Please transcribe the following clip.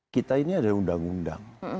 kita ini ada undang undang